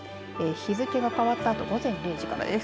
日付が変わったあと午前０時からです。